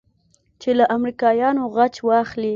چې له امريکايانو غچ واخلې.